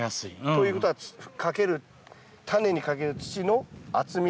ということはタネにかける土の厚みは？